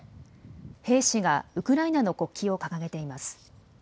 兵士がウクライナの国旗を掲げています。